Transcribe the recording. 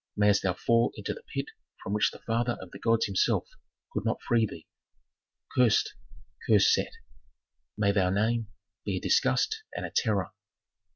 Mayst thou fall into the pit from which the father of the gods himself could not free thee. Cursed! Cursed Set! May thy name be a disgust and a terror!"